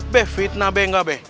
be fitnah be enggak be